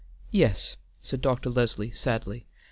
"Yes," said Dr. Leslie, sadly.